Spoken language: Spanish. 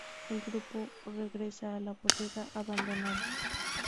El grupo regresa a la bodega abandonada.